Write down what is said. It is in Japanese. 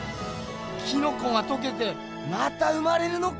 キノコがとけてまた生まれるのかぁ！